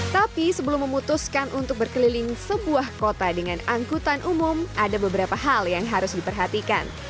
tapi sebelum memutuskan untuk berkeliling sebuah kota dengan angkutan umum ada beberapa hal yang harus diperhatikan